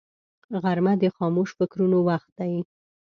غرمه د خاموش فکرونو وخت دی